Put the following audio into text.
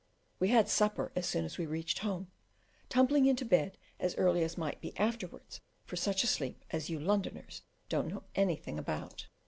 We had supper as soon as we reached home, tumbling into bed as early as might be afterwards for such a sleep as you Londoners don't know anything about.